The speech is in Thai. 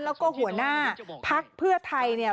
แล้วก็หัวหน้าพักเพื่อไทย